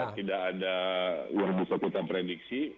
tidak ada yang bisa kita prediksi